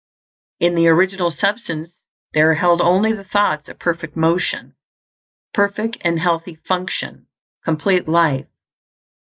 In the Original Substance there are held only the thoughts of perfect motion; perfect and healthy function; complete life.